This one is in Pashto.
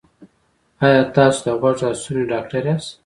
ایا تاسو د غوږ او ستوني ډاکټر یاست؟